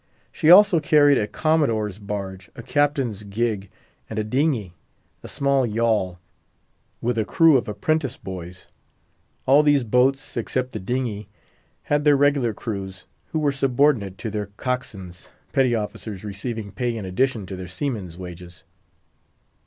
She also carried a Commodore's Barge, a Captain's Gig, and a "dingy," a small yawl, with a crew of apprentice boys. All these boats, except the "dingy," had their regular crews, who were subordinate to their cockswains—petty officers, receiving pay in addition to their seaman's wages.